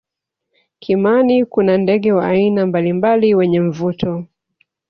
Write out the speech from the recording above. kimani kuna ndege wa aina mbalimbali wenye mvuto